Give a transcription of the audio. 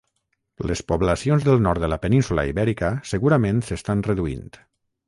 Les poblacions del nord de la península Ibèrica segurament s'estan reduint.